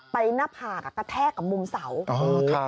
หน้าผากกระแทกกับมุมเสา